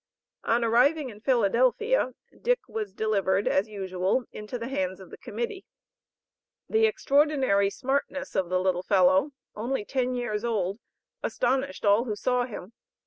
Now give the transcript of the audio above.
On arriving in Philadelphia, Dick was delivered, as usual, into the hands of the Committee. The extraordinary smartness of the little fellow (only ten years old), astonished all who saw him.